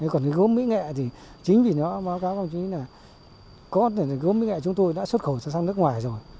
còn gốm mỹ nghệ chính vì nó báo cáo công chí là có thể gốm mỹ nghệ chúng tôi đã xuất khẩu sang nước ngoài rồi